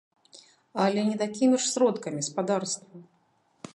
Але не такімі ж сродкамі, спадарства!